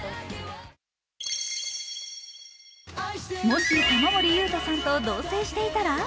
もし、玉森裕太さんと同棲していたら？